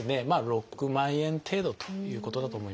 ６万円程度ということだと思います。